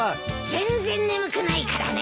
全然眠くないからね。